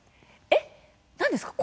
え、何ですか？